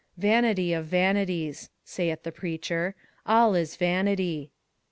21:012:008 Vanity of vanities, saith the preacher; all is vanity.